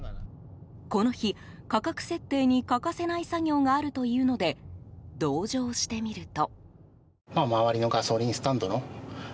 この日、価格設定に欠かせない作業があるというので同乗してみると。